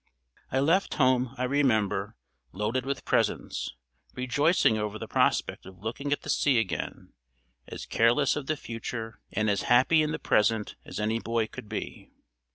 I left home, I remember, loaded with presents, rejoicing over the prospect of looking at the sea again, as careless of the future and as happy in the present as any boy could be.